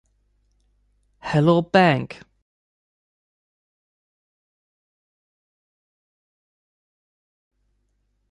Hello Bank!